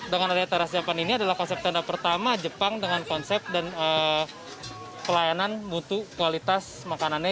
dengan adanya terasiapan ini adalah konsep tenda pertama jepang dengan konsep dan pelayanan mutu kualitas makanannya